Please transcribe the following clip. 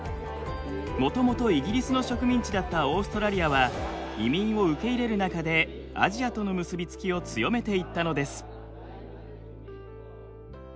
もともとイギリスの植民地だったオーストラリアは移民を受け入れる中でアジアとの結び付きを強めていったのです。